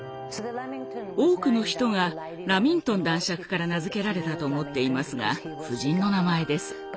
多くの人がラミントン男爵から名付けられたと思っていますが夫人の名前です。